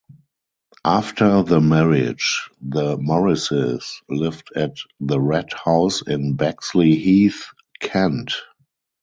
After the marriage, the Morrises lived at the Red House in Bexleyheath, Kent.